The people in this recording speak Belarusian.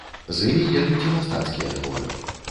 З імі едуць і мастацкія творы.